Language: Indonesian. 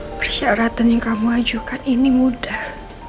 persyaratan yang kamu ajukan ini mudah